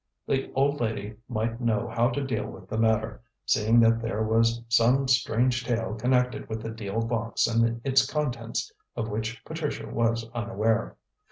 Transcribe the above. The old lady might know how to deal with the matter, seeing that there was some strange tale connected with the deal box and its contents of which Patricia was unaware.